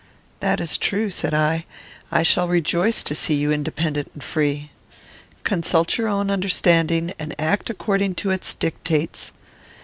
"That is true," said I. "I shall rejoice to see you independent and free. Consult your own understanding, and act according to its dictates.